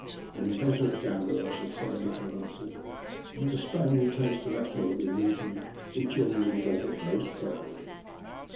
"An inveterate gambler, I should say," Nikola answered. "And when a Spaniard takes to that sort of amusement, he generally does it most thoroughly."